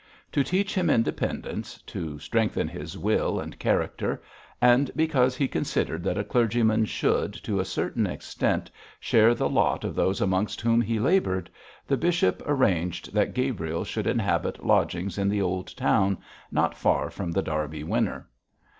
To teach him independence, to strengthen his will and character, and because he considered that a clergyman should, to a certain extent, share the lot of those amongst whom he laboured, the bishop arranged that Gabriel should inhabit lodgings in the old town, not far from The Derby Winner.